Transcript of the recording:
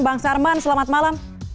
bang sarman selamat malam